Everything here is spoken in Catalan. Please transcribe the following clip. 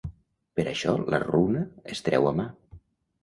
Per això la runa es treu a mà.